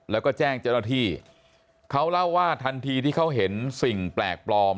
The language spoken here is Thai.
แล้วก็แจ้งเจ้าหน้าที่เขาเล่าว่าทันทีที่เขาเห็นสิ่งแปลกปลอม